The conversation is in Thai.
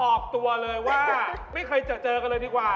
ออกตัวเลยว่าไม่เคยเจอกันเลยดีกว่า